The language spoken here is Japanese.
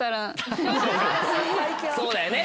そうだよね